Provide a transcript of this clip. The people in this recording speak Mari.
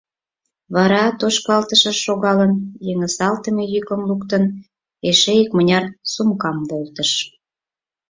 Вара, тошкалтышыш шогалын, йыҥысалтыме йӱкым луктын, эше икмыняр сумкам волтыш.